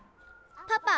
パパ。